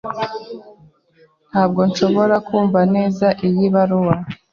Ntabwo nshobora kumva neza iyi baruwa.